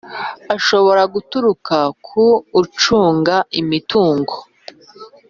Ashobora guturuka ku ucunga imitungo